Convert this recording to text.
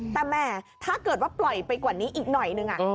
แต่แหมถ้าเกิดว่าปล่อยไปกว่านี้อีกหน่อยนึง